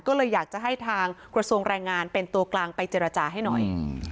ก็เลยอยากจะให้ทางกระทรวงแรงงานเป็นตัวกลางไปเจรจาให้หน่อย